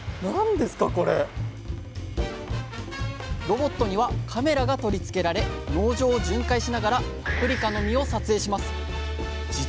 ロボットにはカメラが取り付けられ農場を巡回しながらパプリカの実を撮影します。